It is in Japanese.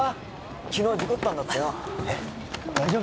昨日事故ったんだってよ大丈夫？